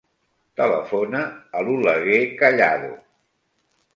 Telefona a l'Oleguer Callado.